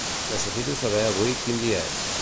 Necessito saber avui quin dia és.